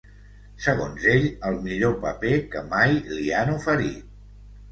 Segons ell el millor paper que mai li han oferit.